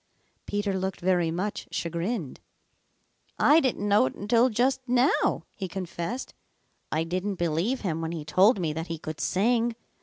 Peter looked very much chagrined. "I didn't know it until just how," he confessed. "I didn't believe him when he told me that he could sing.